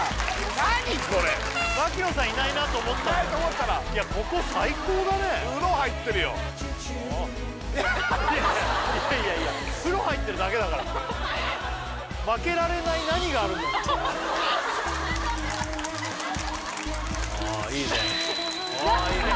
何これ槙野さんいないなと思ったらいないと思ったらいやここ最高だね風呂入ってるよいやいやいやいやいや風呂入ってるだけだからああいいねうわいいね